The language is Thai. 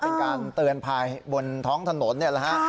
เป็นการเตือนภายบนท้องถนนนี่แหละฮะ